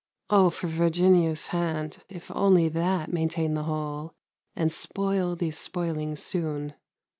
O for Virginius' hand, if only that Maintain the whole, and spoil these spoilings soon!